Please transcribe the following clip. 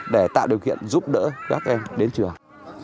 để tạo điều kiện giúp đỡ các em đến trường